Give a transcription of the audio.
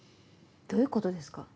どういうことですか？